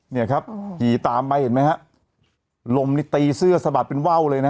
เนี่ยครับขี่ตามไปเห็นไหมฮะลมนี่ตีเสื้อสะบัดเป็นว่าวเลยนะฮะ